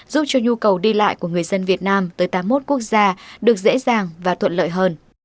giúp cho nhu cầu đi lại của người dân việt nam tới tám mươi một quốc gia được dễ dàng và thuận lợi hơn